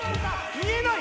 見えない！